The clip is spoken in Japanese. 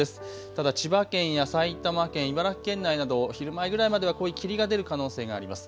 ただ千葉県や埼玉県、茨城県内など昼前ぐらいまでは霧が出る可能性があります。